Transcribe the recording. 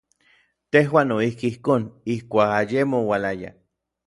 Tejuan noijki ijkon, ijkuak ayemo oualaya.